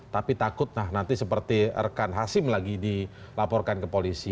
tapi takut nah nanti seperti rekan hasim lagi dilaporkan ke polisi